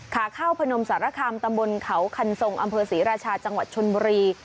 ขาข้าวพนมสารคามตำบลเขาคันทรงอำเภอศรีราชาจังหวัดชนบุรี